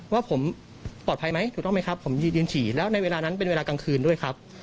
ว่าผมปลอดภัยไหมถูกต้องไหมครับผมยืนฉี่แล้วในเวลานั้นเป็นเวลากลางคืนด้วยครับ